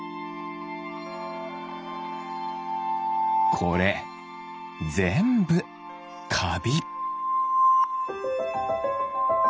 これぜんぶかび。